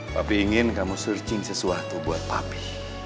papi ingin kamu searching sesuatu buat papi